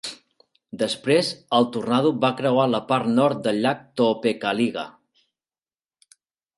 Després, el tornado va creuar la part nord del llac Tohopekaliga.